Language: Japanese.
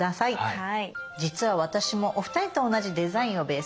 はい。